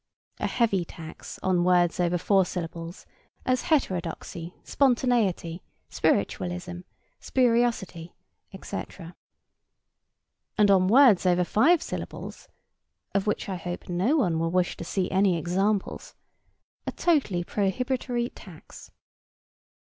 A heavy tax on words over four syllables, as heterodoxy, spontaneity, spiritualism, spuriosity, etc. And on words over five syllables (of which I hope no one will wish to see any examples), a totally prohibitory tax.